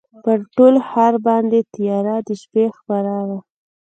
پر ټول ښار باندي تیاره د شپې خپره وه